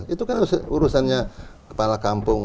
itu kan urusannya kepala kampung